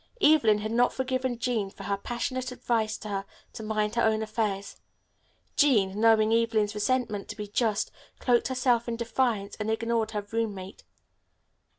Evelyn had not forgiven Jean for her passionate advice to her to mind her own affairs. Jean, knowing Evelyn's resentment to be just, cloaked herself in defiance and ignored her roommate.